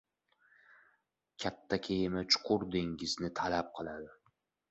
• Katta kema chuqur dengizni talab qiladi.